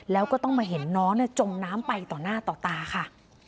แล้วก็ต้องมาเห็นน้องจมน้ำไปต่อหน้าต่อตาค่ะ